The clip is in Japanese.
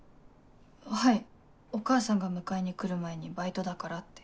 はいお母さんが迎えに来る前にバイトだからって。